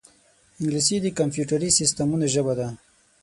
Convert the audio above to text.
انګلیسي د کمپیوټري سیستمونو ژبه ده